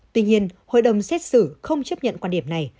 tuy nhiên hội đồng xét xử không chấp nhận quan điểm này